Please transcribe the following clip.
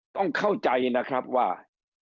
ต้องเข้าใจนะครับว่า